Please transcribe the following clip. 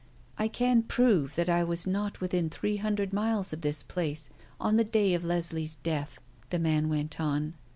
"I can prove that I was not within three hundred miles of this place on the day of Leslie's death," the man went on.